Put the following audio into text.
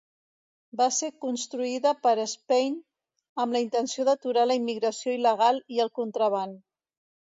Va ser construïda per Spain amb la intenció d'aturar la immigració il·legal i el contraban.